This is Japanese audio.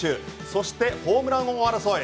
そしてホームラン王争い。